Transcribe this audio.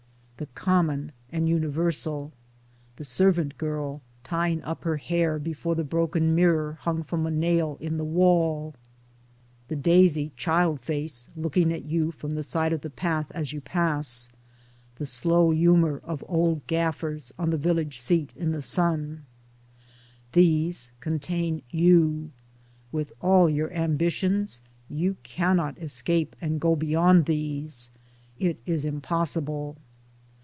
The common and universal; The servant girl tying up her hair before the broken mirror hung from a nail in the wall; the daisy child face looking at you from the side of the path as you pass ; the slow humor of old gaffers on the village seat in the sun : These contain you. With all your ambitions you cannot escape and go beyond these. It is impossible.